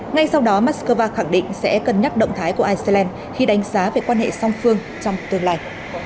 ngay sau đó moscow khẳng định sẽ cân nhắc động thái của iceland khi đánh giá về quan hệ song phương trong tương lai